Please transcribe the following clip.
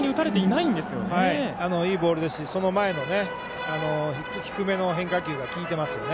いいボールですしその前の低めの変化球が効いてますよね。